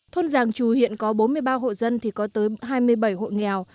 thôn giàng trù hiện có bốn mươi ba hộ dân thì có tới hai mươi bảy hộ nghèo